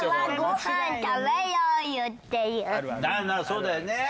そうだよね！